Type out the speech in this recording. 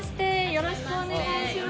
よろしくお願いします。